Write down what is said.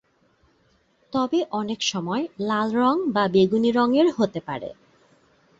তবে অনেকসময় লাল রঙ বা বেগুনী রঙের হতে পারে।